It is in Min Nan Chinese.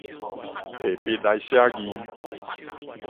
提筆來寫字